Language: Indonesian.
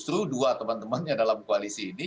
karena sebaliknya justru dua teman temannya dalam koalisi ini